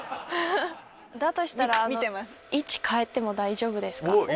だとしたら位置変えても大丈夫ですか？